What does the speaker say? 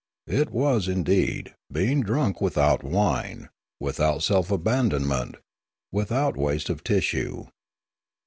It was, indeed, being drunk without wine, without self abandonment, without waste of tissue.